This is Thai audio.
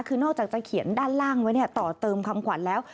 คือนอกจากจะเขียนด้านล่างไว้เนี่ยต่อเติมคำขวัญแล้ว